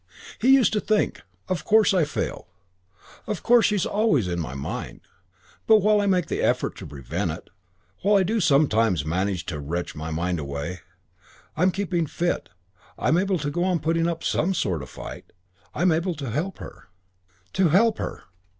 He used to think, "Of course I fail. Of course she's always in my mind. But while I make the effort to prevent it, while I do sometimes manage to wrench my mind away, I'm keeping fit; I'm able to go on putting up some sort of a fight. I'm able to help her." To help her!